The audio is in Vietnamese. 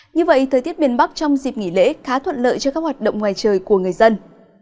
như vậy thời tiết miền bắc trong dịp nghỉ lễ khá thuận lợi cho các hoạt động ngoài trời của người dân